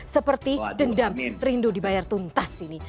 seperti dendam rindu dibayar tuntas ini